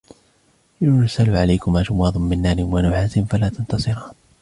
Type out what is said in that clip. يُرْسَلُ عَلَيْكُمَا شُوَاظٌ مِّن نَّارٍ وَنُحَاسٌ فَلا تَنتَصِرَانِ